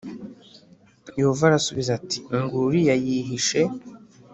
Yehova arasubiza ati nguriya yihishe.